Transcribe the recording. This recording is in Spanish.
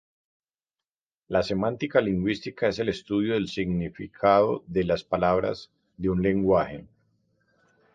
La semántica lingüística es el estudio del significado de las palabras de un lenguaje.